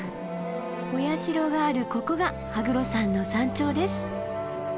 お社があるここが羽黒山の山頂です。